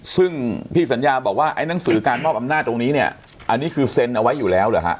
ซึ่งพี่สัญญาบอกว่าไอ้หนังสือการมอบอำนาจตรงนี้เนี่ยอันนี้คือเซ็นเอาไว้อยู่แล้วเหรอฮะ